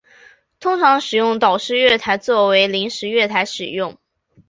通常使用岛式月台作为临时月台使用。